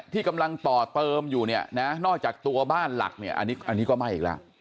ต่อเติมอยู่เนี่ยนะนอกจากตัวบ้านหลักเนี่ยอันนี้อันนี้ก็ไม่อีกแล้ว